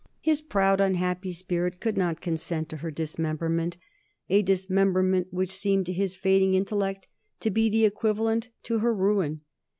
His proud, unhappy spirit could not consent to her dismemberment, a dismemberment which seemed to his fading intellect to be the equivalent to her ruin.